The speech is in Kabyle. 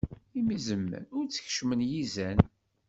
Imi izemmen, ur t-keččmen yizan.